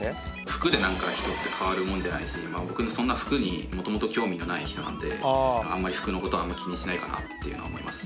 服で人って変わるもんじゃないし僕もそんな服にもともと興味がない人なんであんまり服のことは気にしないかなっていうのは思います。